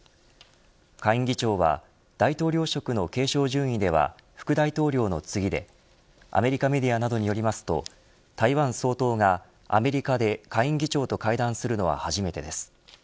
下院議長は大統領職の継承順位では副大統領の次でアメリカメディアなどによりますと、台湾総統がアメリカで下院議長と会談するのは初めてです。